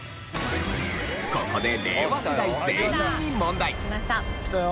ここで令和世代全員に問題。